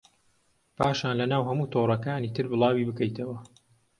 پاشان لەناو هەموو تۆڕەکانی تر بڵاوی بکەیتەوە